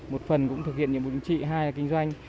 một phần cũng thực hiện nhiệm vụ chính trị hai là kinh doanh